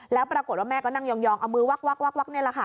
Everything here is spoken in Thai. แล้วปรากฏว่าแม่ก็นั่งยองเอามือวักนี่แหละค่ะ